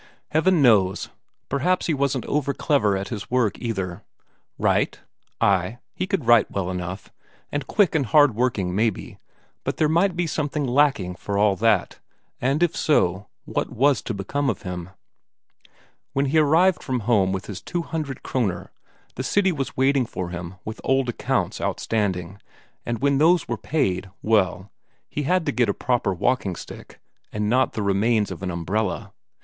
Heaven knows perhaps he wasn't over clever at his work either. Write? ay, he could write well enough, and quick and hard working maybe, but there might be something lacking for all that. And if so, what was to become of him? When he arrived from home with his two hundred Kroner, the city was waiting for him with old accounts outstanding, and when those were paid, well, he had to get a proper walking stick, and not the remains of an umbrella.